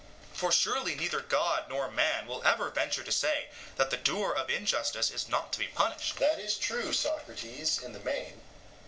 For surely neither God nor man will ever venture to say that the doer of injustice is not to be punished? EUTHYPHRO: That is true, Socrates, in the main.